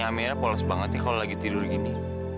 muka amira polos banget ya kalau lagi tidur gini